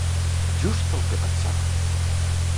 Just el que pensava!